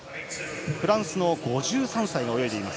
フランスの５３歳が泳いでいます。